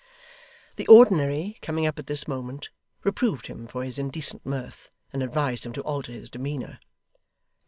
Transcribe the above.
The Ordinary coming up at this moment, reproved him for his indecent mirth, and advised him to alter his demeanour.